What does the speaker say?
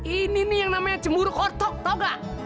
ini nih yang namanya cemburu kotok tau gak